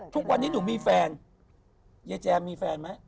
ทุกวันนี้หนูมีแฟนแจมมีแฟนมั้ย